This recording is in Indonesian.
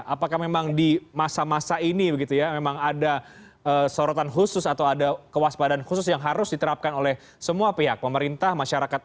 apakah memang di masa masa ini begitu ya memang ada sorotan khusus atau ada kewaspadaan khusus yang harus diterapkan oleh semua pihak pemerintah masyarakat